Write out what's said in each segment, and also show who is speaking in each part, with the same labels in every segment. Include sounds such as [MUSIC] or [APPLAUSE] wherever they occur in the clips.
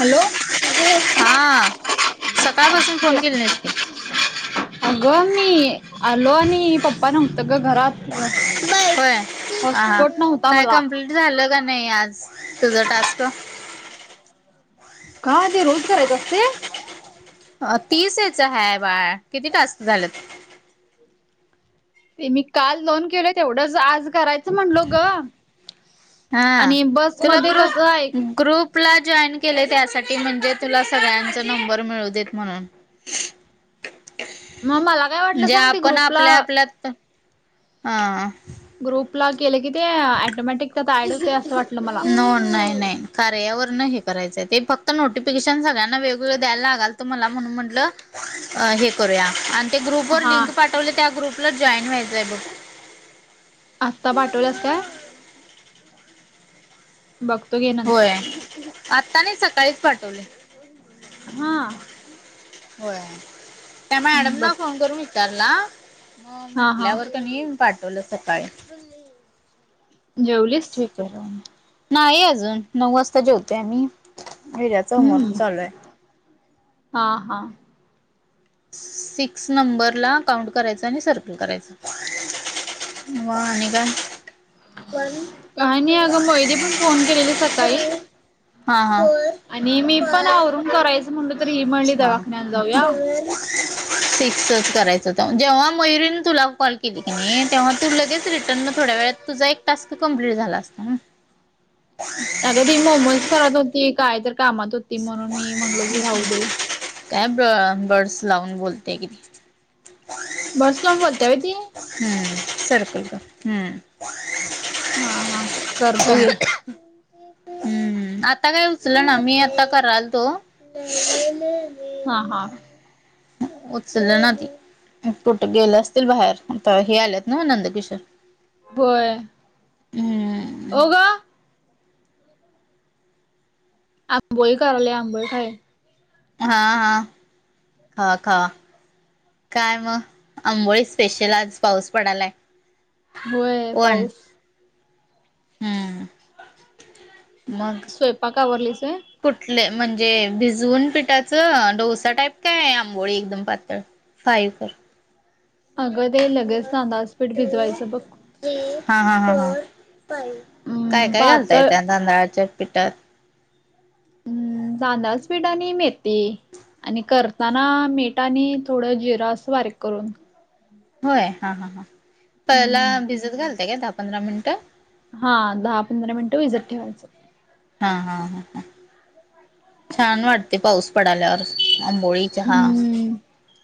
Speaker 1: Hello
Speaker 2: हा सकाळपासून phone केले नाहीस की
Speaker 1: आग मी आलो आणि पप्पा नव्हत ग घरात ग
Speaker 2: होय
Speaker 1: हॉट
Speaker 2: हा हा
Speaker 1: स्फोट नव्हता
Speaker 2: काय
Speaker 1: मला.
Speaker 2: कंप्लीट झालं का नाही आज तुझ टास्क.
Speaker 1: का ते रोज करायच असतय.
Speaker 2: अ तीस ह्याच हाय बाळ किती टास्क झाल्यात.
Speaker 1: ते मी काल दोन केल तेवढंच आज करायच. अस म्हटलो ग,
Speaker 2: हा
Speaker 1: आणि बस
Speaker 2: तुला
Speaker 1: मध्ये कस आहे.
Speaker 2: ग्रुप ग्रुपला जॉईन केले त्यासाठी म्हणजे तुला सगळ्यांचा नंबर मिळू देत म्हणून.
Speaker 1: मग मला काय वाटलं
Speaker 2: म्हणजे
Speaker 1: सांग ते
Speaker 2: आपण
Speaker 1: ग्रुपला
Speaker 2: आपल्या आपल्यात. हां.
Speaker 1: ग्रुप ला केलं की ते अटोमॅटिक त्यात ऍड होतय असं वाटलं मला.
Speaker 2: हो नाहीई नाही कार्यावर न हे करायचंय ते फक्त नोटिफिकेशन सगळ्यांना वेगवेगळं द्यायला लागयाचं मला म्हणून म्हंटलं अ हे करूया आणि ते ग्रुप व
Speaker 1: हा
Speaker 2: लिंक पाठवले त्या ग्रुपला जॉईन व्हायचंय आहे बघ
Speaker 1: आत्ता पाठवल्यास काय? बघतो गे नंतर.
Speaker 2: आत्ताने सकाळीच पाठवलोय.
Speaker 1: हा.
Speaker 2: होय त्या मॅडमना फोन
Speaker 1: बघतो
Speaker 2: करून विचारला म
Speaker 1: हा हा
Speaker 2: म्हंटल्यावर. त्यांनी पाठवलं सकाळी.
Speaker 1: जेवलीस.
Speaker 2: ठीक नाही अजून नऊ वाजता जेवतोय आम्ही विद्याच
Speaker 1: हम्म
Speaker 2: होमवर्क चालूय.
Speaker 1: हा हा.
Speaker 2: सिक्स नंबर ला काउंट करायच आणि सर्कल करायच. म आणि काय वन
Speaker 1: काय नाही
Speaker 2: टू
Speaker 1: अगं मोहिदी पण फोन केलेली
Speaker 2: थ्री
Speaker 1: सकाळी
Speaker 2: फोर हा हा
Speaker 1: आणि मी पण आवरून करायचं. म्हणलं तर ही म्हणली
Speaker 2: अच्छा
Speaker 1: दवाखान्याला जाऊया
Speaker 2: सेव्हन सिक्सच करायचं ते, जेव्हा मयुरीने तुला कॉल केली की नाही तेव्हा तू लगेच रिटर्न थोड्या वेळात तुझा एक टास्क कमप्लीट झाला असता.
Speaker 1: अग ती मोमच करत होती, काय तर कामात होती, म्हणून मी म्हणलो की राहू दे.
Speaker 2: काय ब बर्डस लावून बोलते घे ती.
Speaker 1: बड्स लावून बोलत्या व्हय ती.
Speaker 2: हम्म सर्कल कर हम्म
Speaker 1: हा हा करतो घे.
Speaker 2: हम्म आता काय उचल ना मी आता कराल तो.
Speaker 1: हा हा.
Speaker 2: उचललं ना कुठे गेले असतील बाहेर आता हे आलेत ना नंदकिशोर.
Speaker 1: होय
Speaker 2: हम्म
Speaker 1: ओ ग आंबोळी करायला आंबोळी खाय
Speaker 2: हा हा खा खा काय मग आंबोळी स्पेशल आज पाऊस पडायलाय.
Speaker 1: होय पाऊस.
Speaker 2: हम्म. मग
Speaker 1: स्वयंपाक आवरलीस व्हय.
Speaker 2: कुठले म्हणजे भिजवून पिठाचं डोसा टाईप काय आंबोळी एकदम पातळ. फाईव्हर
Speaker 1: अगं ते लगेच ना तांदळाच पीठ भिजवायचं बघ.
Speaker 2: हा हा ह काय
Speaker 1: अम
Speaker 2: काय घालताय
Speaker 1: पातळ
Speaker 2: त्या तांदळाच्या पिठात.
Speaker 1: हम्म तांदळाचे पीठ आणि मेथी. आणि करताना मीठ आणि थोडं जिरं अस बारीक करून
Speaker 2: होय हा हा हा पहिला
Speaker 1: हम्म
Speaker 2: भिजत घालताय काय दहा पंधरा मिनिटं
Speaker 1: हा दहा पंधरा मिनिटं भिजत ठेवायचं
Speaker 2: हा हा हा हा छान वाटते पाऊस पडाल्यावर आंबोळी, चहा
Speaker 1: हम्म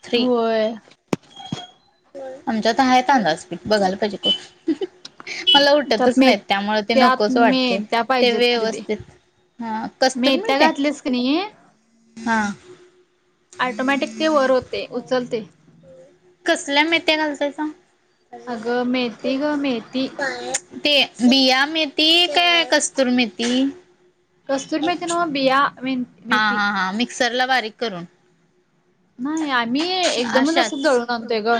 Speaker 2: थ्री
Speaker 1: होय
Speaker 2: आमच्यात हाय तांदळाचं पीठ बघायला पाहिजे करुन मला उठतच
Speaker 1: त्यात मे
Speaker 2: नाहीत त्यामुळे ते
Speaker 1: त्यात
Speaker 2: नकोच वाटते
Speaker 1: मेथ्या
Speaker 2: ते
Speaker 1: पाहिजेत दीदी
Speaker 2: व्यवस्थित हा कस्तुरी
Speaker 1: मेथ्या
Speaker 2: मेथी
Speaker 1: घातलीस की नाही ऑटोमॅटिक ते वर होते उचलते
Speaker 2: कसल्या मेथ्या घालतायसा
Speaker 1: अगं मेती ग मेती
Speaker 2: ते बिया मेती काय कस्तूरी मेती
Speaker 1: कस्तूर मेती न्हवं बिया मे
Speaker 2: हा
Speaker 1: मेथी
Speaker 2: हा हा मिक्सर ला बारीक करून
Speaker 1: नाही आम्ही एकदमच असं
Speaker 2: अशाच
Speaker 1: दळून आणतोय ग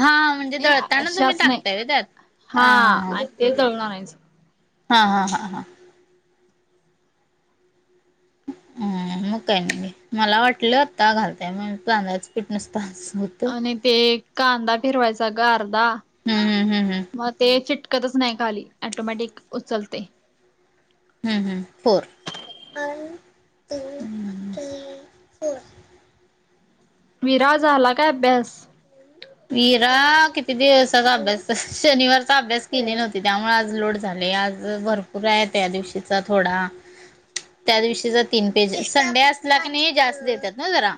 Speaker 2: हा म्हणजे
Speaker 1: नाही
Speaker 2: दळताना तुम्ही
Speaker 1: अशाच नाही
Speaker 2: टाकताय व्हय त्यात हा
Speaker 1: आणि ते दळून आणायचं.
Speaker 2: हा हा हा हा हं मग काही घे नाही मला वाटलं आता घालताय मग तांदळाच पीठ नूसता हो
Speaker 1: आणि ते कांदा फिरवायचा गं आर्धा
Speaker 2: हम्म हम्म हम्म हम्म
Speaker 1: मग ते चिट कतच नाही खाली ॲटोमॅटिक उचलतय
Speaker 2: हं हं बर [UNINTELLIGIBLE] थ्री फोर.
Speaker 1: विरा झाला काय अभ्यास?
Speaker 2: विरा किती दिवसाचा अभ्यास शनिवारचा अभ्यास केले नव्हती त्यामुळे आज लोड झालय आज भरपूर आहे त्या दिवशीचा थोडा त्या दिवशीचा तीन पेजेस संडे असला कणी जास्त देतात ना जरा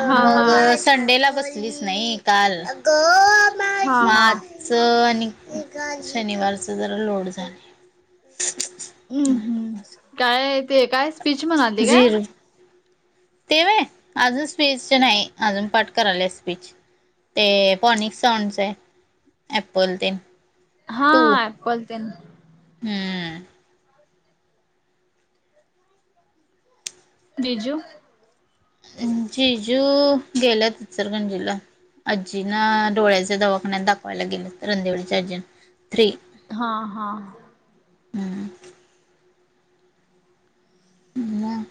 Speaker 1: हा हा
Speaker 2: मग संडेला बसलीच नाही काल
Speaker 1: हा
Speaker 2: म
Speaker 1: हा
Speaker 2: आत चं आणि शनिवारचं जरा लोड झालय.
Speaker 1: हं हं काय ते काय स्पीच म्हणालती काय?
Speaker 2: झिरो ते व्हय अजून स्पीचचं नाही अजून पाठ करायला स्पीच ते पॉनिक सॉंगच आहे ॲपल तेन
Speaker 1: हा ॲपल तेन
Speaker 2: हं
Speaker 1: हम् [UNINTELLIGIBLE] जीजू
Speaker 2: जिजू गेल्यात इचलकरंजीला आजीना डोळ्याच्या दवाखान्यात दाखवायला गेल्यात रणंदिवळीच्या आजीना थ्री
Speaker 1: हा हा
Speaker 2: मं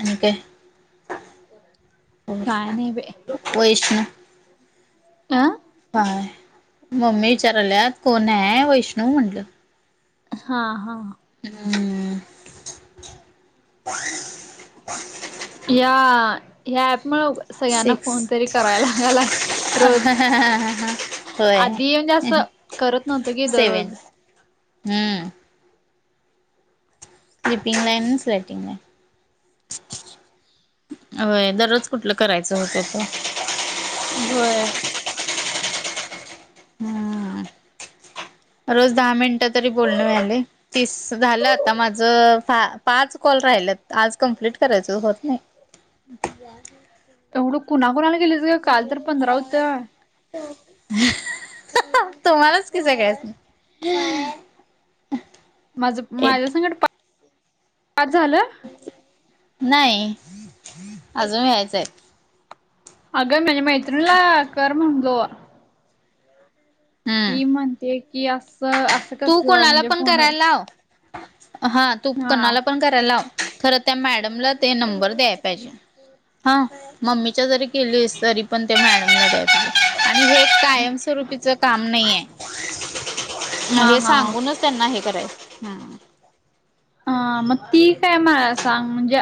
Speaker 2: आणि काय
Speaker 1: काय नाही बाई
Speaker 2: वैष्णू
Speaker 1: अ
Speaker 2: [UNINTELLIGIBLE] काय मम्मी विचाराल्यात कोण हाय? वैष्णू म्हटलं.
Speaker 1: हा हा
Speaker 2: हं
Speaker 1: या या ऍप मुळं सगळ्यांना
Speaker 2: सिक्स
Speaker 1: फोन तरी करायला लागालाय रोज
Speaker 2: होय
Speaker 1: आधी म्हणजे असं करत नव्हतो की दरोज
Speaker 2: हं स्लिपिंग लाइन स्लॅटिंग लाईन होय दररोज कुठलं करायचं होतंय फोन
Speaker 1: होय.
Speaker 2: हम्म रोज दहा मिनिटं तरी बोलणं व्हायलय. तीस झालं आता माझ, पाच कॉल राहिलेत आज कंम्प्लीट करायचं होत नाही. [UNINTELLIGIBLE]
Speaker 1: तेवढं कोणाकोणाला केलीस गं, काल तरी पंधरा होतं.
Speaker 2: [UNINTELLIGIBLE] तुम्हालाच की सगळ्यासनी.
Speaker 1: माझं
Speaker 2: एट
Speaker 1: माझ्यासंगट पाच झालं.
Speaker 2: नाही अजून व्हायचाय.
Speaker 1: अगं माझ्या मैत्रिणीला कर म्हणलो.
Speaker 2: हम्म
Speaker 1: ती म्हणते की असं, असं
Speaker 2: तू
Speaker 1: कसं
Speaker 2: कोणाला
Speaker 1: म्हणजे
Speaker 2: पण
Speaker 1: फोन.
Speaker 2: करायला लाव. हा, तू
Speaker 1: हा
Speaker 2: कुणाला पण कराय लाव. खरं त्या मॅडमला ते नंबर द्याय पाहिजे, हा. मम्मीच्या जरी केलीस तरी, पण ते मॅडमला द्याय पाहिजे. आणि हे, कायमस्वरूपीच काम नाहीये.
Speaker 1: हा
Speaker 2: हे
Speaker 1: हा
Speaker 2: सांगूनच त्यांना हे करायचं, हां.
Speaker 1: हा मग ती काय मला सांग म्हणजे,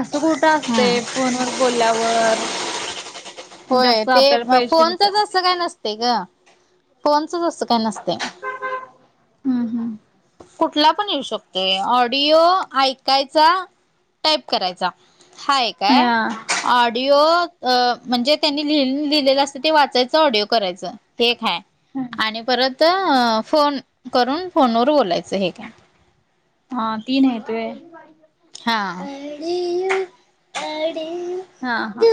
Speaker 1: असं कुठं
Speaker 2: हम्म
Speaker 1: असतेय फोनवर बोल्यावर. वर.
Speaker 2: होय, ते
Speaker 1: भेट
Speaker 2: फोनचच असं काय नसते गं, फोनचच असं काय नसते.
Speaker 1: हम्म हम्म.
Speaker 2: कुठला पण येऊ शकतोय, ऑडिओ ऐकायचा. टाईप करायचा, हा एक हाय.
Speaker 1: हा
Speaker 2: ऑडिओ म्हणजे, त्यांनी लि -लिहिलेलं असतं ते वाचायचं ऑडिओ करायचं. ते एक हाय, आणि परत फोन करून फोनवर बोलायचं हे एक हाय.
Speaker 1: हा तीन हायत व्हयं. [UNINTELLIGIBLE]
Speaker 2: हां. आडियू
Speaker 1: हा हा,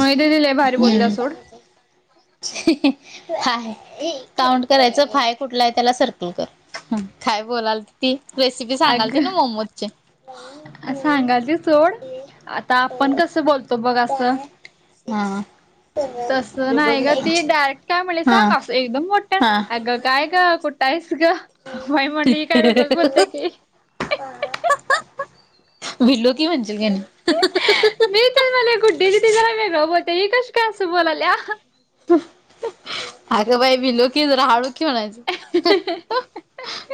Speaker 1: मयु दीदी लय भारी बोलत्या सोड.
Speaker 2: हम्म [INAUDIBLE] हाय, काउंट करायचं फाय कुठलं आहे, त्याला सर्कल कर. काय बोलाल ती, रेसिपी सांगाल ती ना मोमोज.
Speaker 1: सांगालती सोड,
Speaker 2: थ्री
Speaker 1: आता आपण कस बोलतो बघ असं.
Speaker 2: आ...
Speaker 1: तसं नाही गं, ती डायरेक्ट काय म्हणली
Speaker 2: हा
Speaker 1: सांग, एकदम मोठ्यान
Speaker 2: हा
Speaker 1: काय गं, काय कुठं. कुठं हायस गं बाई, म्हणल काय वेगळच बोलत्या की,
Speaker 2: भिलो की, म्हणशील कणी.
Speaker 1: मी ते मला गुड्डीदीदी जरा वेगळं बोलत्या, ही कशी काय असं बोलाल्या.
Speaker 2: आग बाई भिलो की, जरा हळू की म्हणायचं.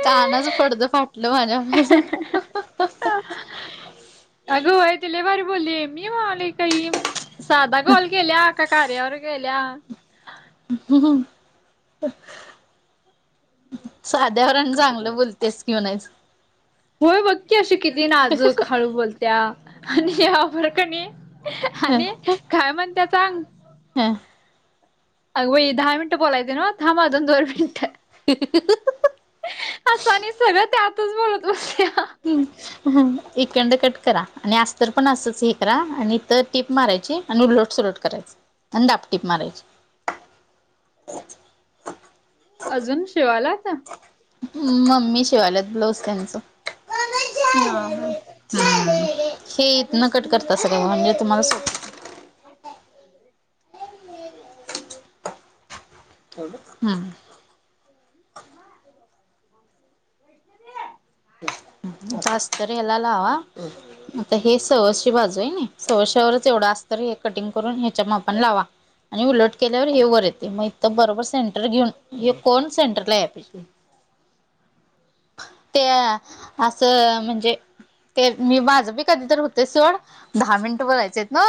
Speaker 2: कानाच पडद फाटलं माझ्या म्हणायचं.
Speaker 1: आगं होय ती लय भारी बोलली, मी म्हणायलो काय ही. साधा कॉल केल्या, काय कार्यावर केल्या.
Speaker 2: हम. साध्यावर आणि चांगलं बोलतेस की म्हणायचं.
Speaker 1: होय, बघ की अशी किती नाजूक हळू बोलत्या. आणि यावर कणी. आणि काय म्हणत्या सांग.
Speaker 2: हां.
Speaker 1: अगं बई दहा मिनिटं बोलायचं नव, थांब आजून दोन मिनिटं. असं आणि सगळं त्यांतच बोलत बसल्या.
Speaker 2: हम्. इकडन कट करा आणि, अस्तर पण असंच हे करा. आणि इथं टीप मारायची. आणि उलटसलट करायच आणि दापटीप मारायची
Speaker 1: अजून शिवालाता
Speaker 2: मम्मी शिवाल्यात ब्लाऊज त्यांचं
Speaker 1: हा हा
Speaker 2: हम् हे इथंन कट करत सगळ म्हणजे तुम्हाला [UNINTELLIGIBLE] हम्मं.
Speaker 1: [UNINTELLIGIBLE]
Speaker 2: जास्तारी एला लावा. आता हे सवची बाजू आहे ना सवश्यावरच एवढं असत हे कटिंग करून ह्याच्या मापाण लावा आणि उलट केल्यावर हे वर येते मग इथं बरोबर सेंटर घेऊन हे कोण सेंटरला याळा पाहिजे त्या असं म्हणजे ते मी माझं बी कधीतर होते सोड दहा मिनिट बोलायचे आहेत ना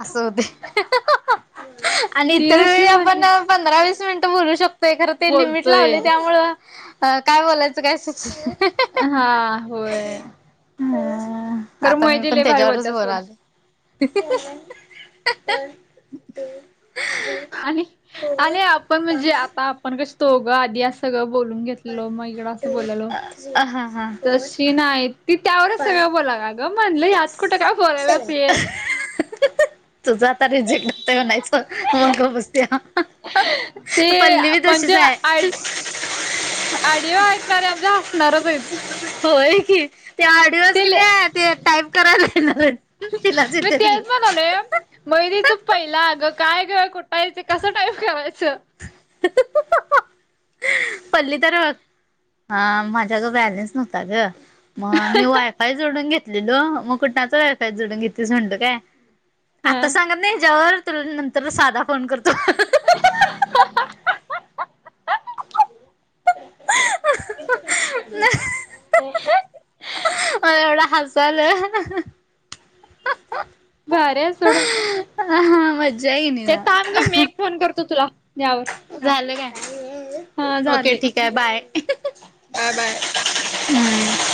Speaker 2: असं होते आणि
Speaker 1: ती
Speaker 2: इतर
Speaker 1: जशी
Speaker 2: वेळी आपण
Speaker 1: म्हणली
Speaker 2: पंधरा वीस मिनिटं बोलू शकतोय खरं ते लिमिट
Speaker 1: बोलतोय.
Speaker 2: लावले त्यामुळं अ काय बोलायचं काय सु
Speaker 1: हा होय.
Speaker 2: ह
Speaker 1: खरं
Speaker 2: आता मी
Speaker 1: मोहिती
Speaker 2: पण
Speaker 1: लय भारी
Speaker 2: त्याच्यावरच
Speaker 1: बोलत्या सोड.
Speaker 2: बोलाले. [UNINTELLIGIBLE] फोर
Speaker 1: आणि-आणि आपण
Speaker 2: फाय
Speaker 1: म्हणजे आता पण कस तो गं आधी अस सगं बोलून घेत मग इड असं बोलो
Speaker 2: वन टू थ्री फोर
Speaker 1: तशी नाही ती त्यावरच
Speaker 2: फाय
Speaker 1: सगळ बोला ग म्हणलं यात
Speaker 2: सिक्स
Speaker 1: कुठं काय बोलायलास
Speaker 2: सेवन
Speaker 1: ये
Speaker 2: [UNINTELLIGIBLE] तुझं आता रिजेक्ट होतंय म्हणायचं मग गप्प बस
Speaker 1: ते
Speaker 2: पल्ली बी तशी हाय
Speaker 1: आडीवा ऐकणारे आमच्या हसणारच आहे.
Speaker 2: होय की. ते ऑडिओच कि
Speaker 1: ते
Speaker 2: नाही ते टाईप करायलाणार तिलाच येतं त की
Speaker 1: मयुरीच पहिला अग काय ग कुठाय हाय कसं टाईप केरायचं.
Speaker 2: [UNINTELLIGIBLE] पल्ली तर हा माझ्या ग बॅलेन्स नव्हता ग. मग मी वायफाय जोडून घेतलेलो मग कुठणाच वायफाय जोडून घेतलीस म्हणत काय?
Speaker 1: हा
Speaker 2: आता सांगत नाही ह्याचवर तुला नंतर साधा फोन करतो.
Speaker 1: [UNINTELLIGIBLE]
Speaker 2: ना [UNINTELLIGIBLE]
Speaker 1: [UNINTELLIGIBLE]
Speaker 2: मला एवढ हसायला [UNINTELLIGIBLE]
Speaker 1: भारी आहे सोड.
Speaker 2: ह हा मज्ज
Speaker 1: ये थांब ग मी एक फोन करतो तुला यावर.
Speaker 2: झालं काय ओके ठीक आहे बाय.
Speaker 1: बाय-बाय.
Speaker 2: हम्म